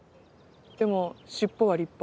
でも尻尾は立派。